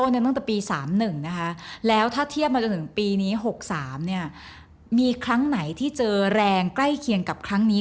เนี่ยถ้าเทียบมาถึงปีนี้๖๓เนี่ยมีครั้งไหนที่เจอแรงใกล้เคียงกับครั้งนี้